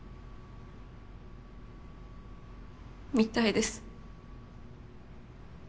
見たいです。